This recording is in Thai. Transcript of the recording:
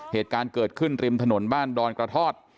เหตุการณ์เกิดขึ้นริมถนนบ้านดอนกระทอด